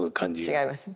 違います。